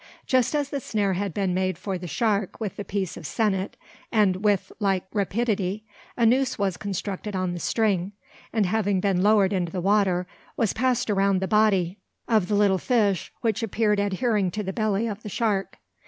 Just as the snare had been made for the shark with the piece of sennit, and with like rapidity, a noose was constructed on the string; and, having been lowered into the water, was passed around the body of the little fish which appeared adhering to the belly of the shark.